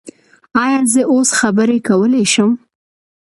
ایا زه اوس خبرې کولی شم؟